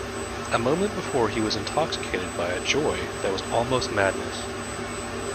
A moment before he was intoxicated by a joy that was almost madness.